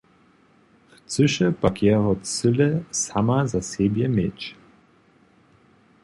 Chcyše pak jeho cyle sama za sebje měć.